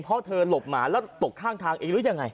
เพราะเธอหลบหมาแล้วตกข้างทางเองหรือยังไง